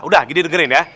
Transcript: udah gini dengerin ya